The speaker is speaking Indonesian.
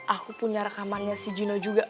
aku punya rekamannya si gino juga